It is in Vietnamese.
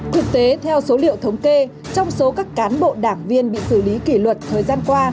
thực tế theo số liệu thống kê trong số các cán bộ đảng viên bị xử lý kỷ luật thời gian qua